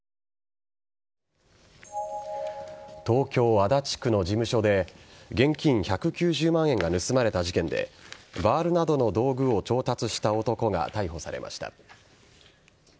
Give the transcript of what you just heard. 東京・足立区の事務所で現金１９０万円が盗まれた事件でバールなどの道具を調達した男が逮捕されました。